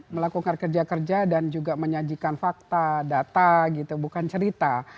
melakukan kerja kerja dan juga menyajikan fakta data gitu bukan cerita